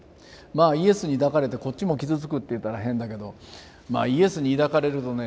まあイエスに抱かれてこっちも傷つくっていったら変だけどまあイエスに抱かれるとね